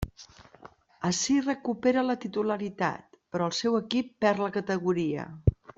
Ací recupera la titularitat, però el seu equip perd la categoria.